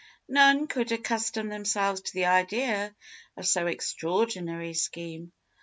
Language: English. None could accustom themselves to the idea of so extraordinary a scheme.